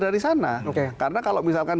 dari sana karena kalau misalkan